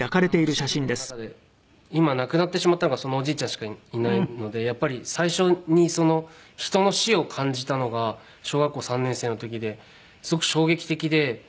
親族の中で今亡くなってしまったのがそのおじいちゃんしかいないのでやっぱり最初に人の死を感じたのが小学校３年生の時ですごく衝撃的で。